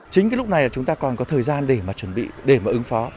chính cái lúc này là chúng ta còn có thời gian để mà chuẩn bị để mà ứng phó